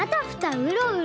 うろうろ！